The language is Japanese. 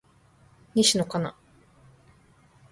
西野カナ